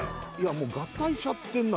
もう合体しちゃってんな